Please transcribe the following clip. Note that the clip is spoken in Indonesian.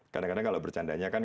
kadang kadang kalau bercandanya kan